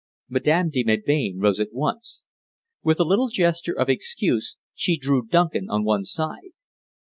Madame de Melbain rose at once. With a little gesture of excuse she drew Duncan on one side.